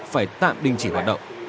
phải tạm đình chỉ hoạt động